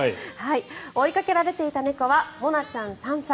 追いかけられていた猫はもなちゃん、３歳。